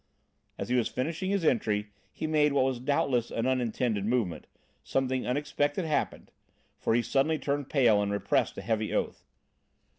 As he was finishing his entry, he made what was doubtless an unintended movement, something unexpected happened, for he suddenly turned pale and repressed a heavy oath.